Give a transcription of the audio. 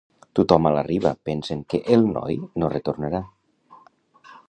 Tothom a la riba pensen que el noi no retornarà.